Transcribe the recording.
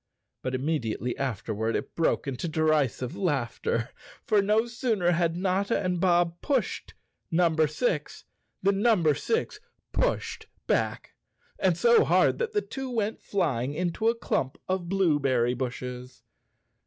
But immediately afterward it broke into derisive laughter. For no sooner had 76 _ Chapter Six Notta and Bob pushed Number Six, than Number Six pushed back, and so hard that the two went flying into a clump of blueberry bushes.